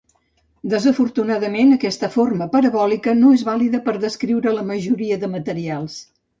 Desafortunadament, aquesta forma parabòlica no és vàlida per descriure la majoria de materials.